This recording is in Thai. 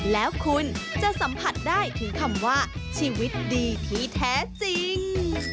แล้วคุณจะสัมผัสได้ถึงคำว่าชีวิตดีที่แท้จริง